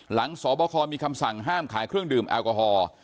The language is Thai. สบคมีคำสั่งห้ามขายเครื่องดื่มแอลกอฮอล์